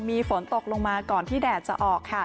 มีฝนตกลงมาก่อนที่แดดจะออก